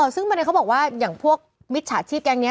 ซึ่งบรรดีเขาบอกว่าพวกวิจฉาชีพแกงนี้